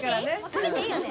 食べていいよね？